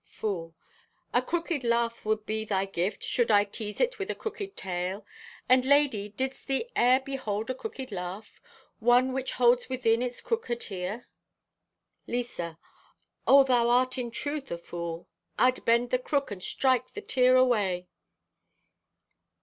(Fool) "A crooked laugh would be thy gift should I tease it with a crooked tale; and, lady, didst thee e'er behold a crooked laugh—one which holds within its crook a tear?" (Lisa) "Oh, thou art in truth a fool. I'd bend the crook and strike the tear away."